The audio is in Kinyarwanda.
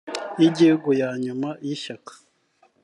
y igihugu ya nyuma y ishyaka